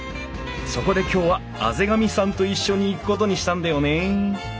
そこで今日は畔上さんと一緒に行くことにしたんだよね。